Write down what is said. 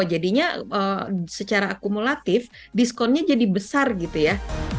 jadinya secara akumulatif diskonnya jadi besar gitu ya